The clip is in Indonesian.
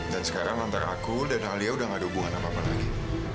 dan sekarang antara aku dan alia udah gak ada hubungan apa apa lagi